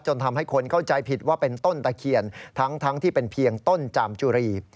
ทำให้คนเข้าใจผิดว่าเป็นต้นตะเคียนทั้งที่เป็นเพียงต้นจามจุรี